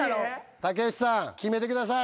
竹内さん決めてください